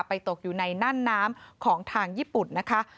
ตกอยู่ในนั่นน้ำของทางญี่ปุ่นนะคะ